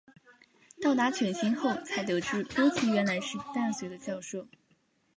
到达犬星后才得知波奇原来是大学的教授。